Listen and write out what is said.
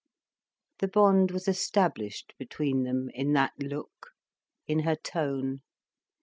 The bond was established between them, in that look, in her tone.